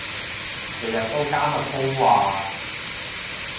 日日都加密通話